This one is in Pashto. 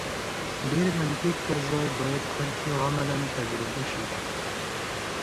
ډېر منطق پر ځای باید هر څه عملاً تجربه شي.